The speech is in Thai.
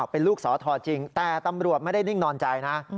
เป็นลูกสอทอจริงแต่ตำรวจไม่ได้นิ่งนอนใจนะ